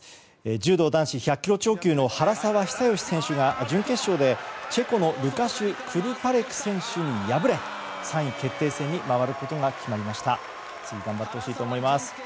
柔道男子１００ｋｇ超級の原沢久喜選手が準決勝でチェコのルカシュ・クルパレク選手に敗れ３位決定戦に回ることが決まりました。